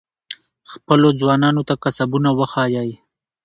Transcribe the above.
خپلو ځوانانو ته کسبونه وښایئ.